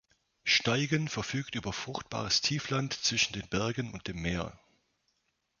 Steigen verfügt über fruchtbares Tiefland zwischen den Bergen und dem Meer.